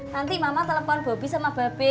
nanti mama telepon bobi sama babe